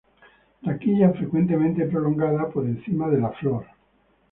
Raquilla frecuentemente prolongada por encima de la flor.